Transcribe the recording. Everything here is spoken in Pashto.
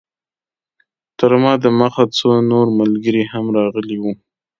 تر ما د مخه څو نور ملګري هم راغلي وو.